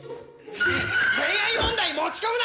恋愛問題持ち込むな！